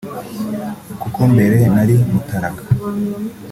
kuko mbere nari mutaraga”